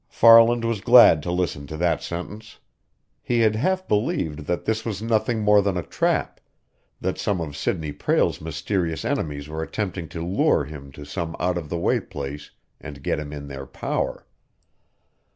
Farland was glad to listen to that sentence. He had half believed that this was nothing more than a trap, that some of Sidney Prale's mysterious enemies were attempting to lure him to some out of the way place and get him in their power.